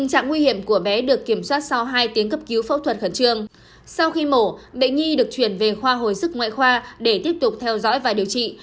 sau khi mổ bệnh nhi được chuyển về khoa hồi sức ngoại khoa để tiếp tục theo dõi và điều trị